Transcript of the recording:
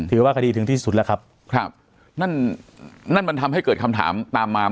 ถือว่าคดีถึงที่สุดแล้วครับครับนั่นนั่นมันทำให้เกิดคำถามตามมา